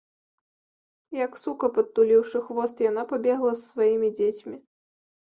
Як сука, падтуліўшы хвост, яна пабегла з сваімі дзецьмі.